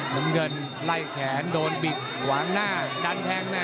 มุมเงินไล่แขนโดนบิดขวางหน้าดันแทง